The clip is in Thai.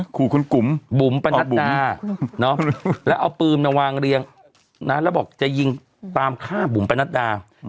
ขู่คุณบุ๋มบุ๋มปนัดบุดาแล้วเอาปืนมาวางเรียงนะแล้วบอกจะยิงตามฆ่าบุ๋มประนัดดา